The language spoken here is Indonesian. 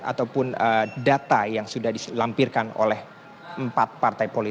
ataupun data yang sudah dilampirkan oleh mbak fadli